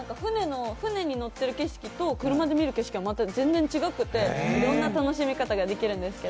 船に乗ってる景色と、車で見る景色とまた全然違くて、いろんな楽しみ方ができるんです。